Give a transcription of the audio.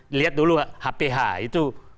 dilihat dulu hph itu